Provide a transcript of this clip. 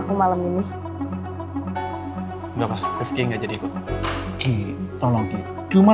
sampai jumpa di video selanjutnya